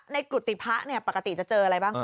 กุฏิพระปกติจะเจออะไรบ้าง